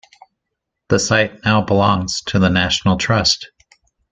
The site now belongs to the National Trust.